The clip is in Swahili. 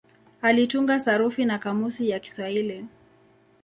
Alitunga sarufi na kamusi ya Kiswahili.